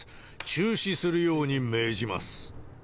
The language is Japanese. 中止するように命じます。